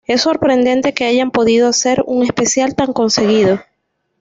Es sorprendente que hayan podido hacer un especial tan conseguido.